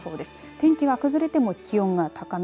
天気が崩れても気温は高め